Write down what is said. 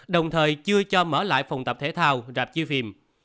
đồng thời chưa cho mở lại phòng tập thể thao rạp chi phim